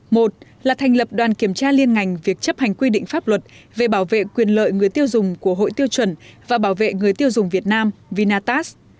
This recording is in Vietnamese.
một là thành lập đoàn kiểm tra liên ngành việc chấp hành quy định pháp luật về bảo vệ quyền lợi người tiêu dùng của hội tiêu chuẩn và bảo vệ người tiêu dùng việt nam vinatast